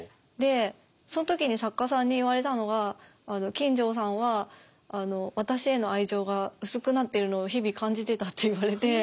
でその時に作家さんに言われたのが「金城さんは私への愛情が薄くなっているのを日々感じてた」って言われて。